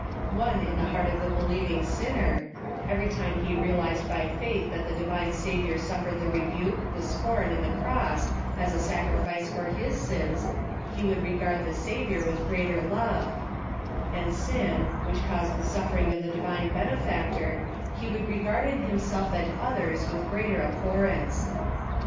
One in the heart of the believing sinner :— every time he realized by faith that the Divine Savior suffered the rebuke, the scorn and the cross, as a sacrifice for his sins, he would regard the Savior with greater iove ; and sin, which caused the suffering of his divine Benefactor, he would regard in himself and others with greater abhorrence.